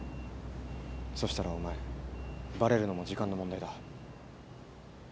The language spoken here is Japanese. そしたらお前バレるのも時間の問題だ。